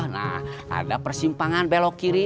nah ada persimpangan belok kiri